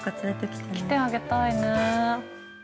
◆きてあげたいね。